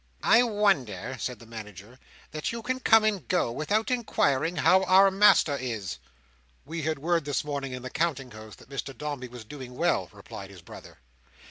"I wonder," said the Manager, "that you can come and go, without inquiring how our master is". "We had word this morning in the Counting House, that Mr Dombey was doing well," replied his brother.